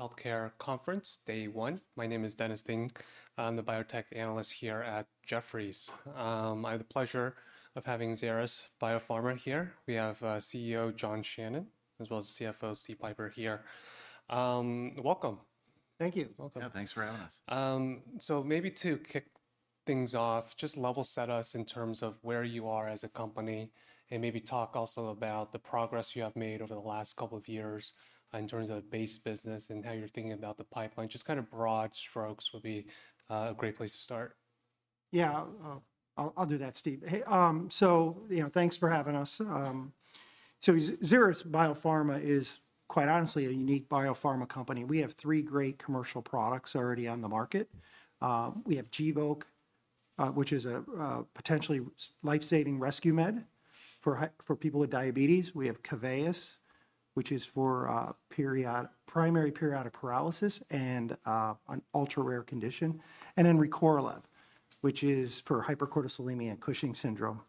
Healthcare Conference, day one. My name is Dennis Ding. I'm the Biotech Analyst here at Jefferies. I have the pleasure of having Xeris Biopharma here. We have CEO John Shannon, as well as CFO Steven Pieper here. Welcome. Thank you. Yeah, thanks for having us. Maybe to kick things off, just level set us in terms of where you are as a company, and maybe talk also about the progress you have made over the last couple of years in terms of base business and how you're thinking about the pipeline. Just kind of broad strokes would be a great place to start. Yeah, I'll do that, Steven. Thanks for having us. Xeris Biopharma is, quite honestly, a unique biopharma company. We have three great commercial products already on the market. We have Gvoke, which is a potentially life-saving rescue med for people with diabetes. We have Keveyis, which is for primary periodic paralysis and an ultra-rare condition. Recorlev is for hypercortisolemia and Cushing syndrome.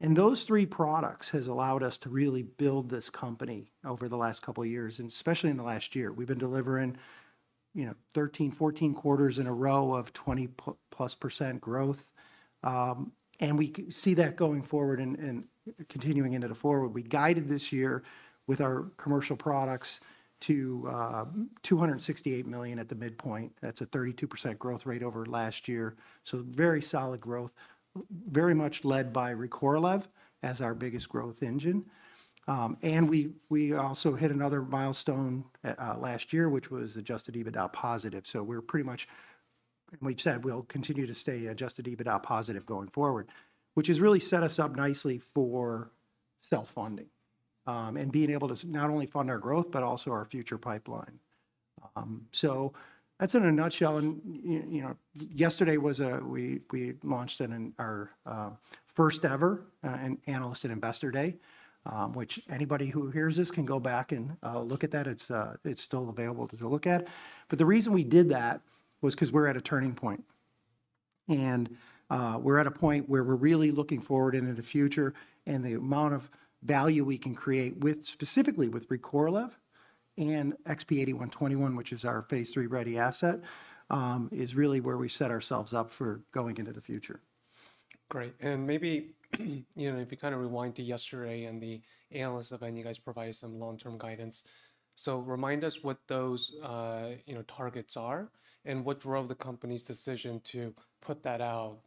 Those three products have allowed us to really build this company over the last couple of years, especially in the last year. We've been delivering 13-14 quarters in a row of 20%+ growth. We see that going forward and continuing into the forward. We guided this year with our commercial products to $268 million at the midpoint. That's a 32% growth rate over last year. Very solid growth, very much led by Recorlev as our biggest growth engine. We also hit another milestone last year, which was adjusted EBITDA positive. We have said we'll continue to stay adjusted EBITDA positive going forward, which has really set us up nicely for self-funding and being able to not only fund our growth, but also our future pipeline. That's in a nutshell. Yesterday was a, we launched our first ever analyst and investor day, which anybody who hears this can go back and look at. It's still available to look at. The reason we did that was because we're at a turning point. We're at a point where we're really looking forward into the future and the amount of value we can create specifically with Recorlev and XP-8121, which is our phase III ready asset, is really where we set ourselves up for going into the future. Great. Maybe if you kind of rewind to yesterday and the analysts have been you guys provide some long-term guidance. Remind us what those targets are and what drove the company's decision to put that out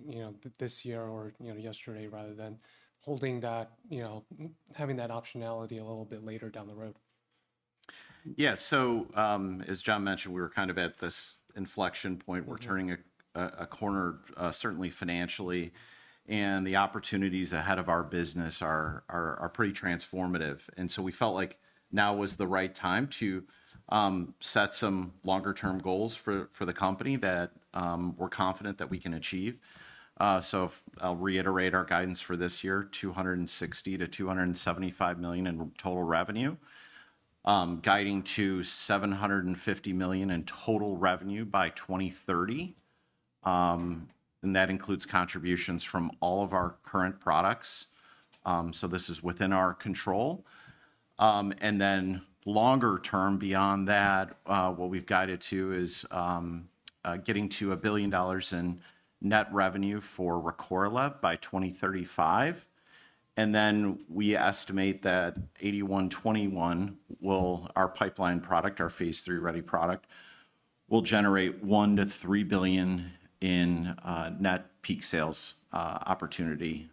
this year or yesterday rather than holding that, having that optionality a little bit later down the road. Yeah. As John mentioned, we were kind of at this inflection point. We're turning a corner, certainly financially. The opportunities ahead of our business are pretty transformative. We felt like now was the right time to set some longer-term goals for the company that we're confident that we can achieve. I'll reiterate our guidance for this year, $260 million-$275 million in total revenue, guiding to $750 million in total revenue by 2030. That includes contributions from all of our current products. This is within our control. Longer-term beyond that, what we've guided to is getting to $1 billion in net revenue for Recorlev by 2035. We estimate that 8121, our pipeline product, our phase III ready product, will generate $1 billion-$3 billion in net peak sales opportunity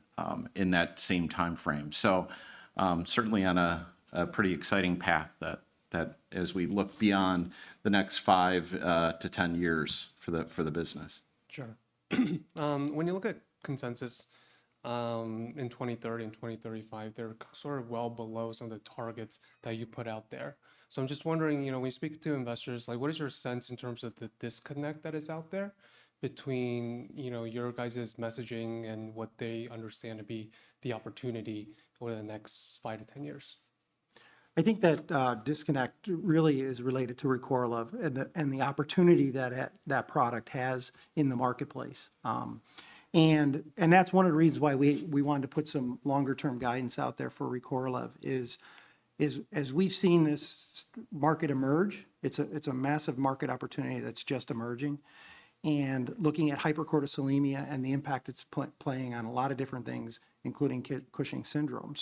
in that same timeframe. Certainly on a pretty exciting path that as we look beyond the next 5-10 years for the business. Sure. When you look at consensus in 2030 and 2035, they're sort of well below some of the targets that you put out there. I am just wondering, when you speak to investors, what is your sense in terms of the disconnect that is out there between your guys' messaging and what they understand to be the opportunity over the next five to ten years? I think that disconnect really is related to Recorlev and the opportunity that that product has in the marketplace. That is one of the reasons why we wanted to put some longer-term guidance out there for Recorlev, as we have seen this market emerge. It is a massive market opportunity that is just emerging. Looking at hypercortisolemia and the impact it is playing on a lot of different things, including Cushing syndrome.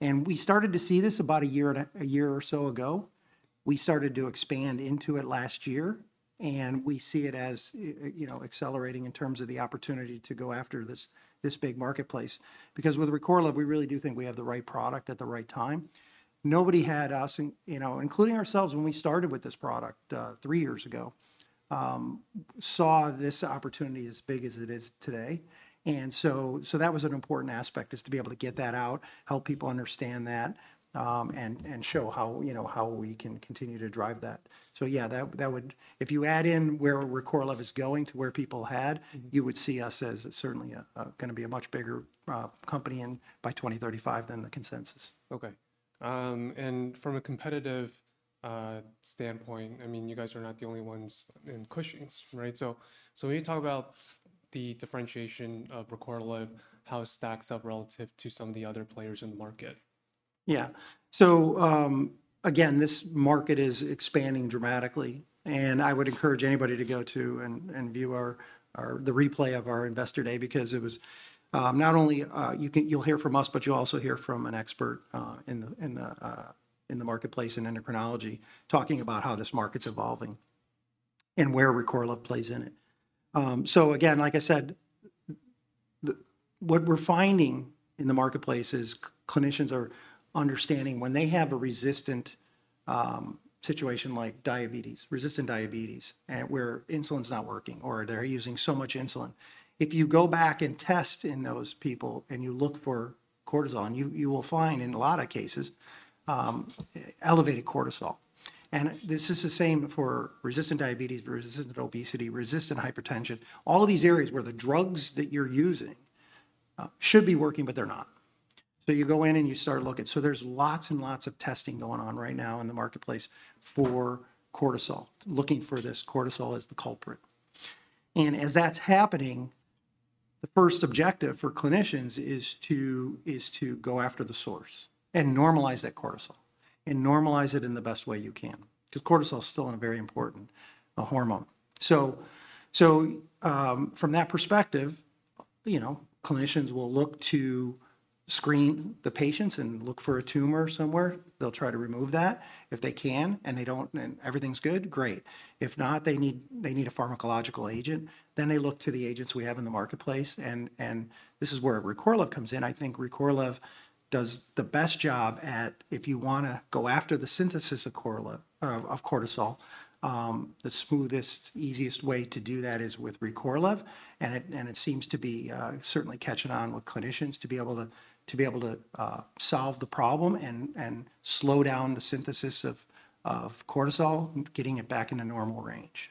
We started to see this about a year or so ago. We started to expand into it last year. We see it as accelerating in terms of the opportunity to go after this big marketplace. With Recorlev, we really do think we have the right product at the right time. Nobody had us, including ourselves when we started with this product three years ago, saw this opportunity as big as it is today. That was an important aspect, to be able to get that out, help people understand that, and show how we can continue to drive that. Yeah, if you add in where Recorlev is going to where people had, you would see us as certainly going to be a much bigger company by 2035 than the consensus. Okay. From a competitive standpoint, I mean, you guys are not the only ones in Cushing's, right? When you talk about the differentiation of Recorlev, how it stacks up relative to some of the other players in the market. Yeah. Again, this market is expanding dramatically. I would encourage anybody to go to and view the replay of our investor day because it was not only you'll hear from us, but you'll also hear from an expert in the marketplace and endocrinology talking about how this market's evolving and where Recorlev plays in it. Again, like I said, what we're finding in the marketplace is clinicians are understanding when they have a resistant situation like diabetes, resistant diabetes, where insulin's not working or they're using so much insulin. If you go back and test in those people and you look for cortisol, you will find in a lot of cases elevated cortisol. This is the same for resistant diabetes, resistant obesity, resistant hypertension, all of these areas where the drugs that you're using should be working, but they're not. You go in and you start looking. There is lots and lots of testing going on right now in the marketplace for cortisol, looking for this cortisol as the culprit. As that is happening, the first objective for clinicians is to go after the source and normalize that cortisol and normalize it in the best way you can. Because cortisol is still a very important hormone. From that perspective, clinicians will look to screen the patients and look for a tumor somewhere. They will try to remove that if they can. If everything is good, great. If not, they need a pharmacological agent. They look to the agents we have in the marketplace. This is where Recorlev comes in. I think Recorlev does the best job at, if you want to go after the synthesis of cortisol, the smoothest, easiest way to do that is with Recorlev. It seems to be certainly catching on with clinicians to be able to solve the problem and slow down the synthesis of cortisol, getting it back in a normal range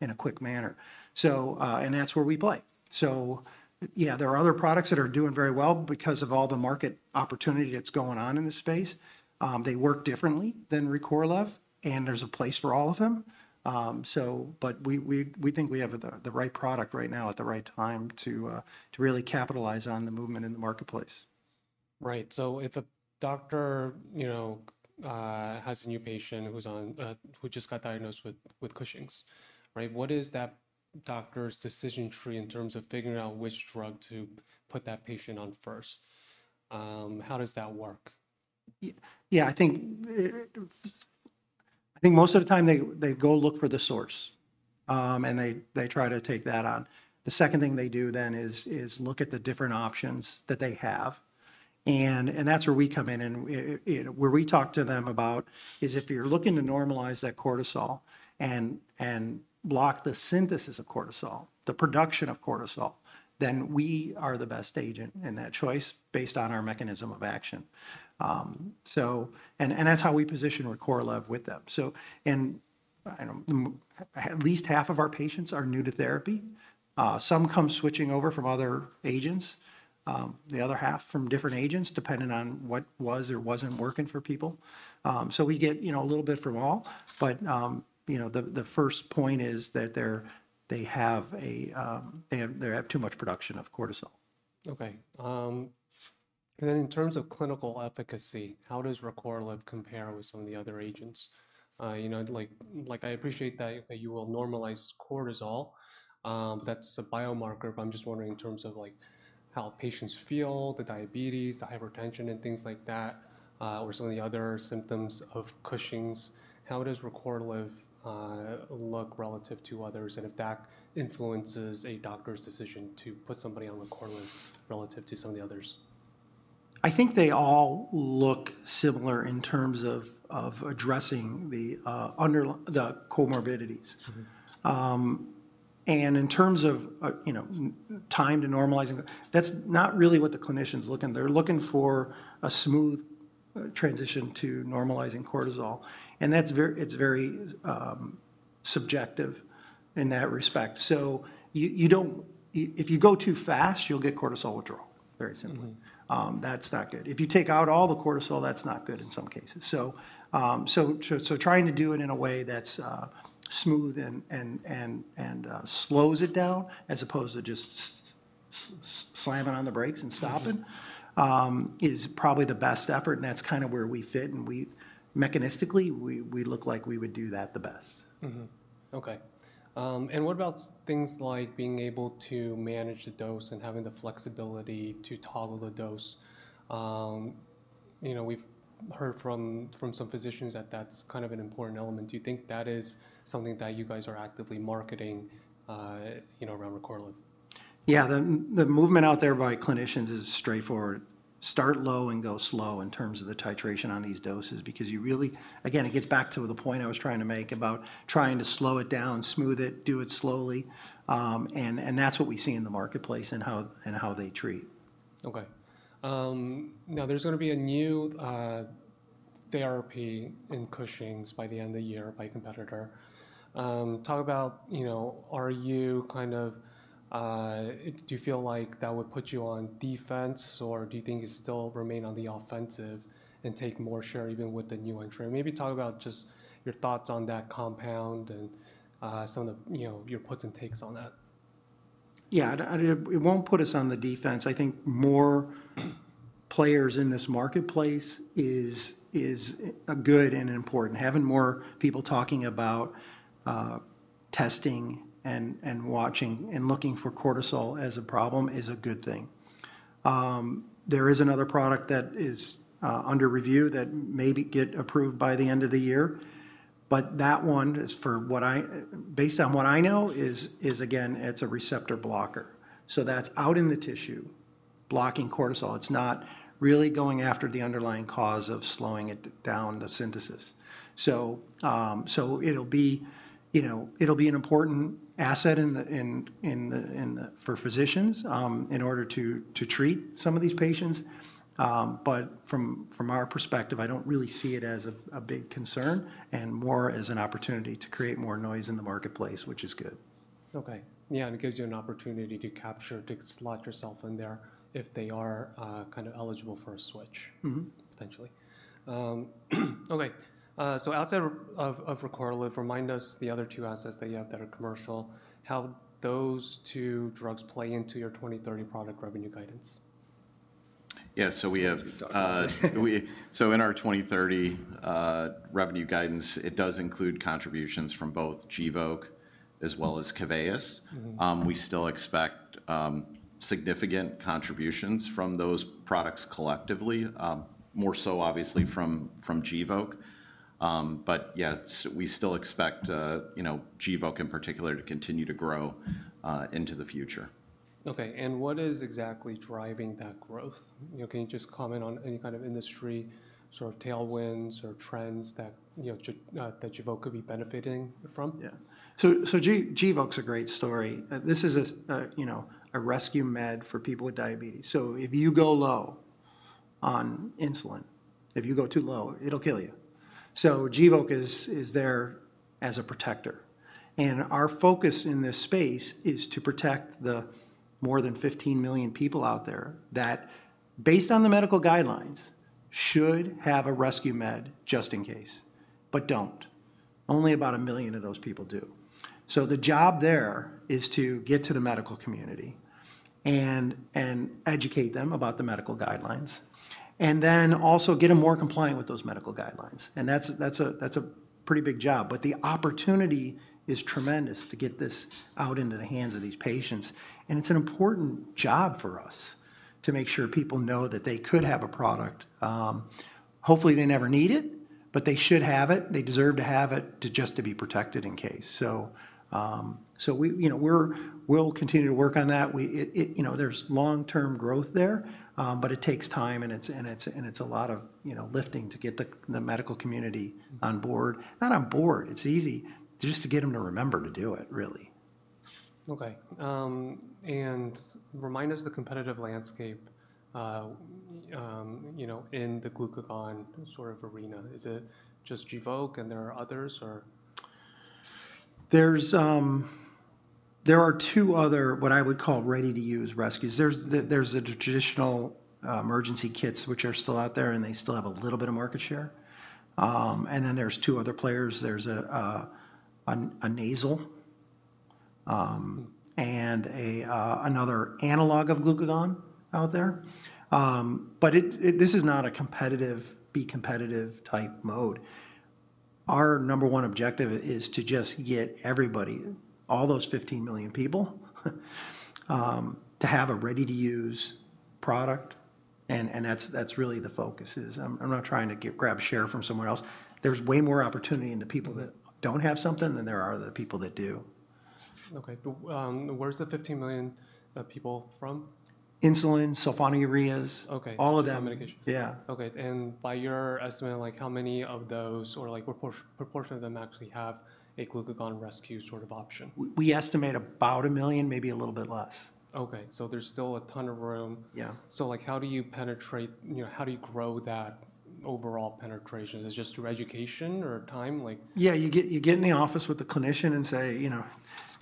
in a quick manner. That is where we play. Yeah, there are other products that are doing very well because of all the market opportunity that is going on in the space. They work differently than Recorlev. There is a place for all of them. We think we have the right product right now at the right time to really capitalize on the movement in the marketplace. Right. If a doctor has a new patient who just got diagnosed with Cushing's, what is that doctor's decision tree in terms of figuring out which drug to put that patient on first? How does that work? Yeah, I think most of the time they go look for the source. They try to take that on. The second thing they do is look at the different options that they have. That is where we come in. What we talk to them about is if you're looking to normalize that cortisol and block the synthesis of cortisol, the production of cortisol, then we are the best agent in that choice based on our mechanism of action. That is how we position Recorlev with them. At least half of our patients are new to therapy. Some come switching over from other agents, the other half from different agents depending on what was or was not working for people. We get a little bit from all. The first point is that they have too much production of cortisol. Okay. In terms of clinical efficacy, how does Recorlev compare with some of the other agents? Like I appreciate that you will normalize cortisol. That is a biomarker. I am just wondering in terms of how patients feel, the diabetes, the hypertension, and things like that, or some of the other symptoms of Cushing's. How does Recorlev look relative to others? If that influences a doctor's decision to put somebody on Recorlev relative to some of the others? I think they all look similar in terms of addressing the comorbidities. In terms of time to normalizing, that's not really what the clinicians are looking. They're looking for a smooth transition to normalizing cortisol. It's very subjective in that respect. If you go too fast, you'll get cortisol withdrawal, very simply. That's not good. If you take out all the cortisol, that's not good in some cases. Trying to do it in a way that's smooth and slows it down as opposed to just slamming on the brakes and stopping is probably the best effort. That's kind of where we fit. Mechanistically, we look like we would do that the best. Okay. What about things like being able to manage the dose and having the flexibility to toggle the dose? We've heard from some physicians that that's kind of an important element. Do you think that is something that you guys are actively marketing around Recorlev? Yeah. The movement out there by clinicians is straightforward. Start low and go slow in terms of the titration on these doses because you really, again, it gets back to the point I was trying to make about trying to slow it down, smooth it, do it slowly. That is what we see in the marketplace and how they treat. Okay. Now, there's going to be a new therapy in Cushing's by the end of the year by competitor. Talk about, are you kind of, do you feel like that would put you on defense or do you think you still remain on the offensive and take more share even with the new entry? Maybe talk about just your thoughts on that compound and some of your puts and takes on that. Yeah. It won't put us on the defense. I think more players in this marketplace is good and important. Having more people talking about testing and watching and looking for cortisol as a problem is a good thing. There is another product that is under review that may get approved by the end of the year. That one, based on what I know, is again, it's a receptor blocker. That is out in the tissue blocking cortisol. It's not really going after the underlying cause of slowing it down, the synthesis. It will be an important asset for physicians in order to treat some of these patients. From our perspective, I don't really see it as a big concern and more as an opportunity to create more noise in the marketplace, which is good. Okay. Yeah. It gives you an opportunity to capture, to slot yourself in there if they are kind of eligible for a switch potentially. Okay. Outside of Recorlev, remind us the other two assets that you have that are commercial. How do those two drugs play into your 2030 product revenue guidance? Yeah. In our 2030 revenue guidance, it does include contributions from both Gvoke as well as Keveyis. We still expect significant contributions from those products collectively, more so obviously from Gvoke. Yeah, we still expect Gvoke in particular to continue to grow into the future. Okay. What is exactly driving that growth? Can you just comment on any kind of industry sort of tailwinds or trends that Gvoke could be benefiting from? Yeah. Gvoke's a great story. This is a rescue med for people with diabetes. If you go low on insulin, if you go too low, it'll kill you. Gvoke is there as a protector. Our focus in this space is to protect the more than 15 million people out there that, based on the medical guidelines, should have a rescue med just in case, but don't. Only about a million of those people do. The job there is to get to the medical community and educate them about the medical guidelines, and then also get them more compliant with those medical guidelines. That's a pretty big job. The opportunity is tremendous to get this out into the hands of these patients. It's an important job for us to make sure people know that they could have a product. Hopefully, they never need it, but they should have it. They deserve to have it just to be protected in case. We will continue to work on that. There is long-term growth there, but it takes time. It is a lot of lifting to get the medical community on board. Not on board. It is easy just to get them to remember to do it, really. Okay. Remind us the competitive landscape in the glucagon sort of arena. Is it just Gvoke and there are others or? There are two other what I would call ready-to-use rescues. There are the traditional emergency kits, which are still out there, and they still have a little bit of market share. There are two other players. There is a nasal and another analog of glucagon out there. This is not a be competitive type mode. Our number one objective is to just get everybody, all those 15 million people, to have a ready-to-use product. That is really the focus. I am not trying to grab share from somewhere else. There is way more opportunity in the people that do not have something than there are the people that do. Okay. Where's the 15 million people from? Insulin, sulfonylureas, all of them. Okay. By your estimate, how many of those or what proportion of them actually have a glucagon rescue sort of option? We estimate about a million, maybe a little bit less. Okay. There's still a ton of room. Yeah. How do you penetrate? How do you grow that overall penetration? Is it just through education or time? Yeah. You get in the office with the clinician and say,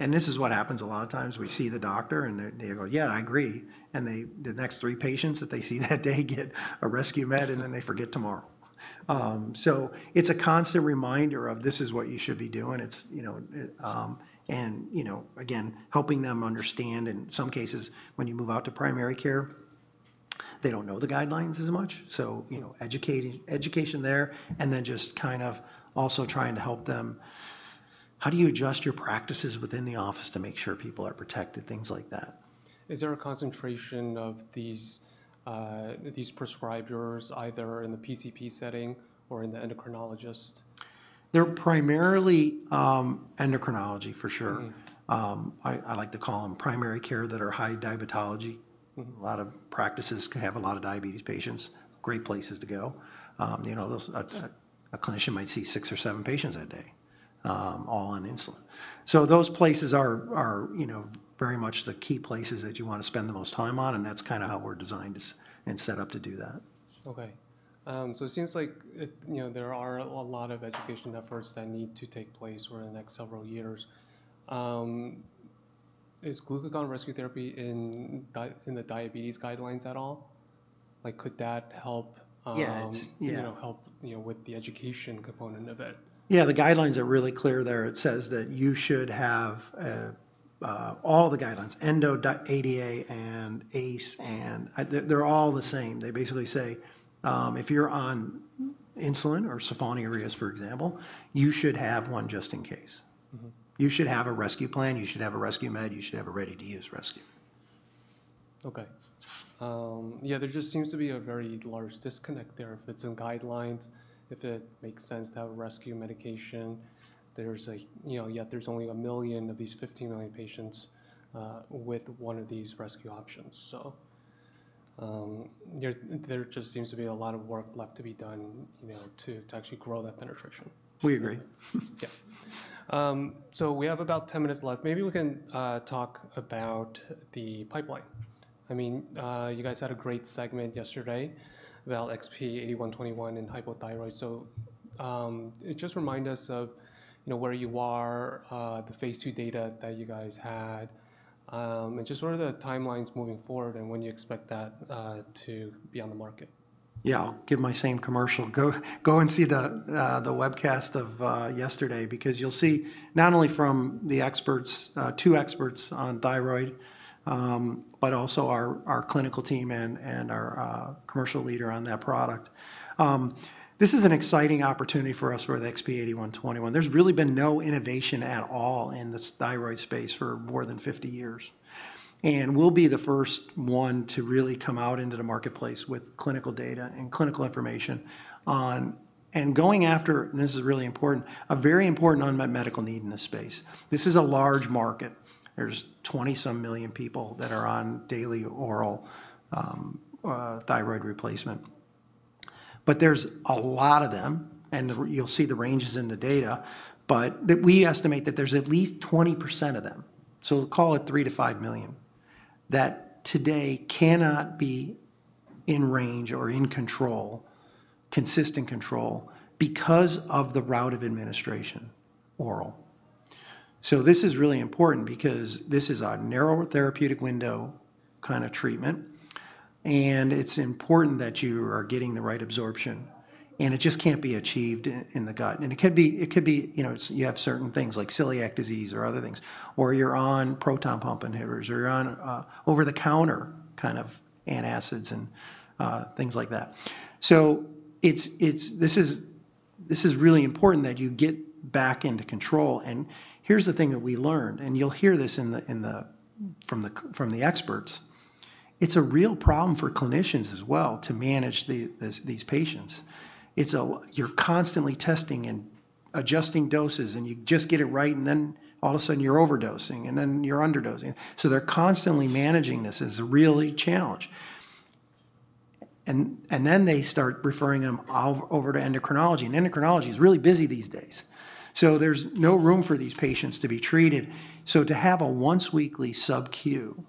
and this is what happens a lot of times. We see the doctor and they go, "Yeah, I agree." The next three patients that they see that day get a rescue med and then they forget tomorrow. It is a constant reminder of, "This is what you should be doing." Again, helping them understand. In some cases, when you move out to primary care, they do not know the guidelines as much. Education there and then just kind of also trying to help them. How do you adjust your practices within the office to make sure people are protected, things like that? Is there a concentration of these prescribers either in the PCP setting or in the endocrinologist? They're primarily endocrinology, for sure. I like to call them primary care that are high diabetology. A lot of practices can have a lot of diabetes patients. Great places to go. A clinician might see six or seven patients that day, all on insulin. Those places are very much the key places that you want to spend the most time on. That's kind of how we're designed and set up to do that. Okay. It seems like there are a lot of education efforts that need to take place over the next several years. Is glucagon rescue therapy in the diabetes guidelines at all? Could that help? Yes. Yeah. Help with the education component of it? Yeah. The guidelines are really clear there. It says that you should have all the guidelines, Endo, ADA, and ACE, and they're all the same. They basically say if you're on insulin or sulfonylureas, for example, you should have one just in case. You should have a rescue plan. You should have a rescue med. You should have a ready-to-use rescue. Okay. Yeah. There just seems to be a very large disconnect there if it's in guidelines, if it makes sense to have a rescue medication. Yet there's only a million of these 15 million patients with one of these rescue options. There just seems to be a lot of work left to be done to actually grow that penetration. We agree. Yeah. We have about 10 minutes left. Maybe we can talk about the pipeline. I mean, you guys had a great segment yesterday about XP-8121 and hypothyroid. Just remind us of where you are, the phase II data that you guys had, and just sort of the timelines moving forward and when you expect that to be on the market. Yeah. I'll give my same commercial. Go and see the webcast of yesterday because you'll see not only from the experts, two experts on thyroid, but also our clinical team and our commercial leader on that product. This is an exciting opportunity for us for the XP-8121. There's really been no innovation at all in this thyroid space for more than 50 years. We'll be the first one to really come out into the marketplace with clinical data and clinical information on and going after, and this is really important, a very important unmet medical need in this space. This is a large market. There's 20-some million people that are on daily oral thyroid replacement. There are a lot of them, and you'll see the ranges in the data, but we estimate that there's at least 20% of them, so call it 3 million-5 million, that today cannot be in range or in control, consistent control because of the route of administration, oral. This is really important because this is a narrow therapeutic window kind of treatment. It's important that you are getting the right absorption. It just can't be achieved in the gut. It could be you have certain things like celiac disease or other things, or you're on proton pump inhibitors, or you're on over-the-counter kind of antacids and things like that. This is really important that you get back into control. Here's the thing that we learned, and you'll hear this from the experts. It's a real problem for clinicians as well to manage these patients. You're constantly testing and adjusting doses, and you just get it right, and then all of a sudden you're overdosing, and then you're underdosing. They're constantly managing this as a real challenge. They start referring them over to endocrinology. Endocrinology is really busy these days. There's no room for these patients to be treated. To have a once-weekly sub-queue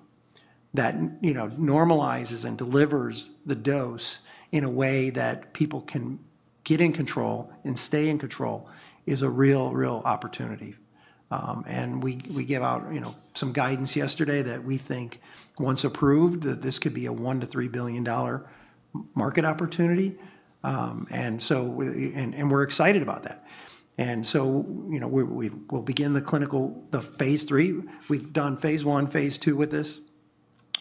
that normalizes and delivers the dose in a way that people can get in control and stay in control is a real, real opportunity. We gave out some guidance yesterday that we think, once approved, that this could be a $1 billion-$3 billion market opportunity. We're excited about that. We'll begin the clinical phase III. We've done phase I, phase II with this.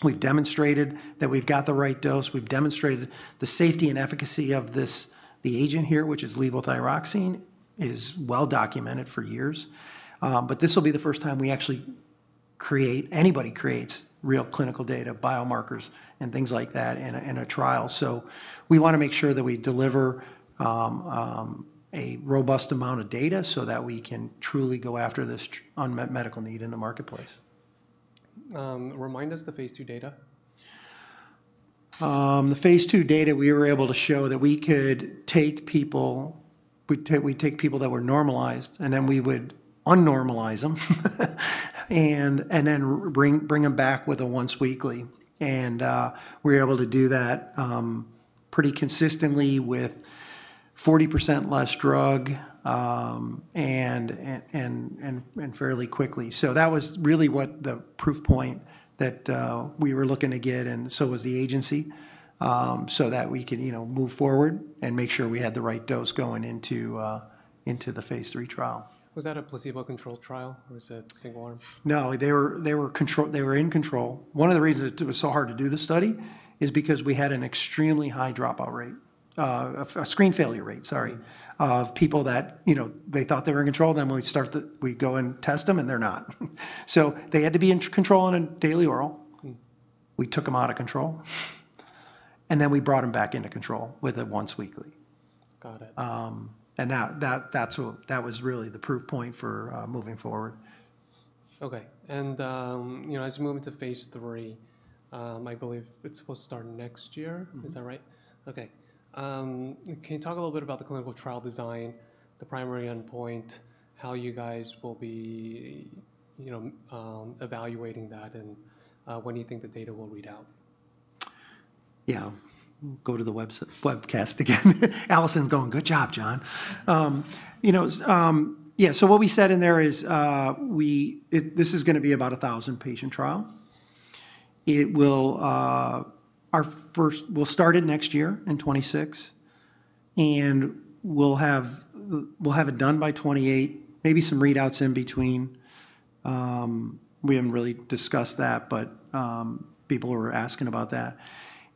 We've demonstrated that we've got the right dose. We've demonstrated the safety and efficacy of this. The agent here, which is levothyroxine, is well documented for years. This will be the first time we actually create, anybody creates, real clinical data, biomarkers, and things like that in a trial. We want to make sure that we deliver a robust amount of data so that we can truly go after this unmet medical need in the marketplace. Remind us the phase II data. The phase II data, we were able to show that we could take people, we take people that were normalized, and then we would un-normalize them and then bring them back with a once-weekly. We were able to do that pretty consistently with 40% less drug and fairly quickly. That was really what the proof point that we were looking to get, and so was the agency, so that we can move forward and make sure we had the right dose going into the phase III trial. Was that a placebo-controlled trial? Was it single arm? No. They were in control. One of the reasons it was so hard to do the study is because we had an extremely high dropout rate, a screen failure rate, sorry, of people that they thought they were in control. Then we go and test them, and they're not. They had to be in control on a daily oral. We took them out of control. We brought them back into control with a once-weekly. Got it. That was really the proof point for moving forward. Okay. As you move into phase III, I believe it's supposed to start next year. Is that right? Mm-hmm. Okay. Can you talk a little bit about the clinical trial design, the primary endpoint, how you guys will be evaluating that, and when you think the data will read out? Yeah. Go to the webcast again. Allison's going, "Good job, John." Yeah. What we said in there is this is going to be about a 1,000-patient trial. We'll start it next year in 2026, and we'll have it done by 2028, maybe some readouts in between. We haven't really discussed that, but people are asking about that.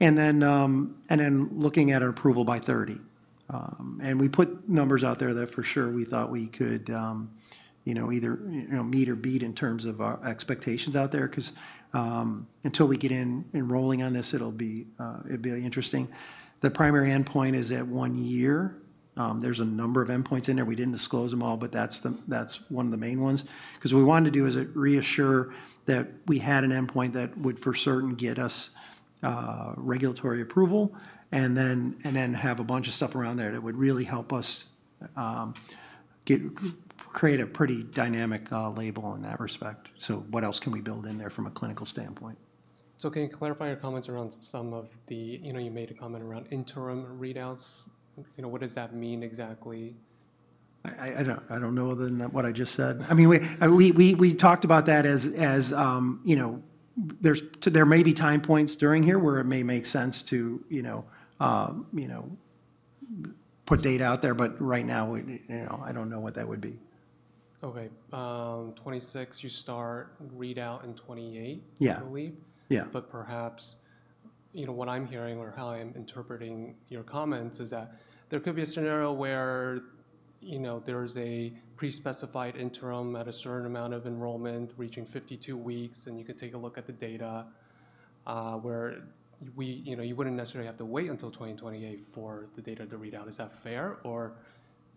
Looking at approval by 2030. We put numbers out there that for sure we thought we could either meet or beat in terms of our expectations out there because until we get in enrolling on this, it'll be interesting. The primary endpoint is at one year. There's a number of endpoints in there. We didn't disclose them all, but that's one of the main ones. Because what we wanted to do is reassure that we had an endpoint that would for certain get us regulatory approval and then have a bunch of stuff around there that would really help us create a pretty dynamic label in that respect. What else can we build in there from a clinical standpoint? Can you clarify your comments around some of the, you made a comment around interim readouts. What does that mean exactly? I don't know other than what I just said. I mean, we talked about that as there may be time points during here where it may make sense to put data out there, but right now, I don't know what that would be. Okay. 2026, you start readout in 2028, I believe. Yeah. Perhaps what I'm hearing or how I'm interpreting your comments is that there could be a scenario where there's a pre-specified interim at a certain amount of enrollment reaching 52 weeks, and you could take a look at the data where you wouldn't necessarily have to wait until 2028 for the data to read out. Is that fair, or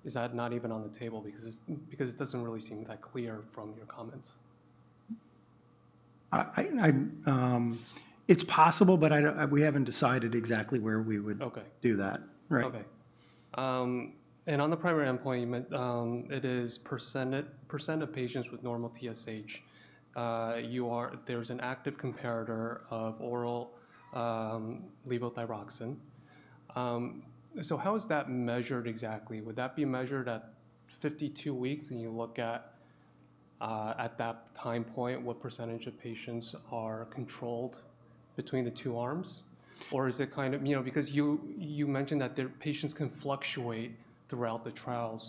is that not even on the table because it doesn't really seem that clear from your comments? It's possible, but we haven't decided exactly where we would do that. Okay. On the primary endpoint, you meant it is percentage of patients with normal TSH. There's an active comparator of oral levothyroxine. How is that measured exactly? Would that be measured at 52 weeks and you look at that time point, what percentage of patients are controlled between the two arms? Is it kind of because you mentioned that patients can fluctuate throughout the trial.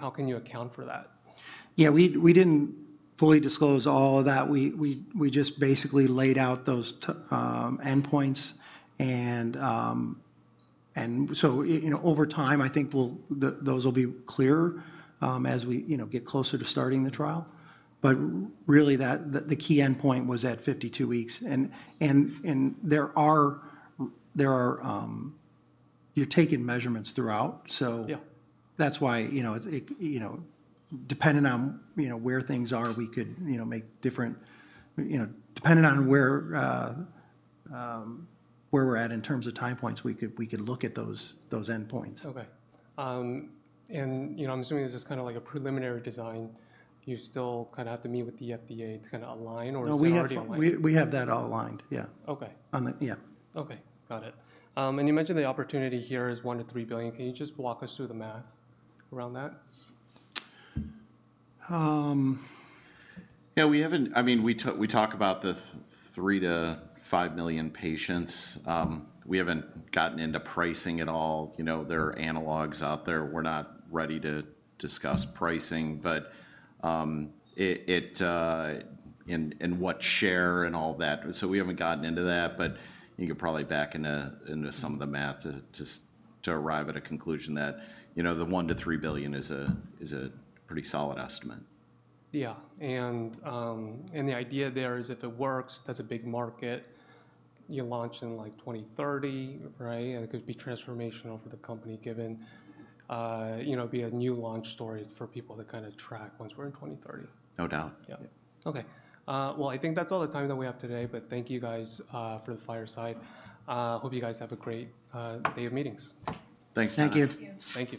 How can you account for that? Yeah. We didn't fully disclose all of that. We just basically laid out those endpoints. Over time, I think those will be clearer as we get closer to starting the trial. Really, the key endpoint was at 52 weeks. There are, you're taking measurements throughout. That's why depending on where things are, we could make different, depending on where we're at in terms of time points, we could look at those endpoints. Okay. I'm assuming this is kind of like a preliminary design. You still kind of have to meet with the FDA to kind of align, or is it already aligned? We have that all aligned. Yeah. Okay. Yeah. Okay. Got it. You mentioned the opportunity here is $1 billion-$3 billion. Can you just walk us through the math around that? Yeah. I mean, we talk about the 3 million-5 million patients. We have not gotten into pricing at all. There are analogs out there. We are not ready to discuss pricing, in what share and all that. We have not gotten into that. You could probably back into some of the math to arrive at a conclusion that the $1 billion-3 billion is a pretty solid estimate. Yeah. The idea there is if it works, that's a big market. You launch in 2030, right? It could be transformational for the company given it'd be a new launch story for people to kind of track once we're in 2030. No doubt. Yeah. Okay. I think that's all the time that we have today, but thank you guys for the fireside. Hope you guys have a great day of meetings. Thanks. Thank you. Thank you.